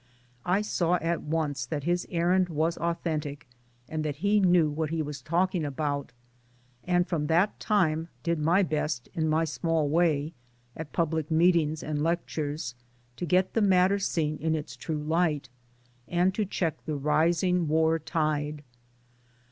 I saw at once that his errand was authentic and that he knew what he was talking about, and from that time did my best in my small way, at public meetings and [lectures, to get the matter seen in its true light, and to check the rising war tide.